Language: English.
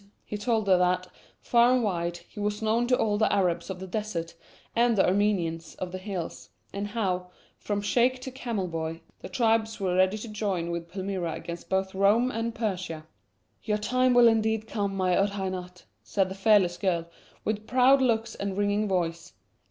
He told her that, far and wide, he was known to all the Arabs of the desert and the Armenians of the hills, and how, from sheikh to camel boy, the tribes were ready to join with Palmyra against both Rome and Persia. "Your time will indeed come, my Odhainat," said the fearless girl, with proud looks and ringing voice.